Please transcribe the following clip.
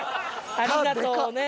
ありがとうね。